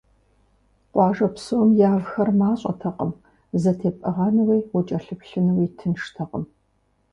Къуажэ псом явхэр мащӏэтэкъым, зэтепӏыгъэнуи, укӏэлъыплъынуи тынштэкъым.